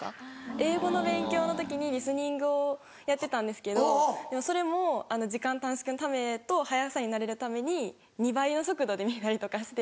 英語の勉強の時にリスニングをやってたんですけどそれも時間短縮のためと速さに慣れるために２倍の速度で見たりとかして。